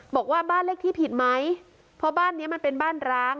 บอกว่าบ้านเลขที่ผิดไหมเพราะบ้านเนี้ยมันเป็นบ้านร้าง